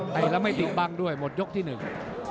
แล้วไม่ติดบังด้วยหมดยกที่หนึ่ง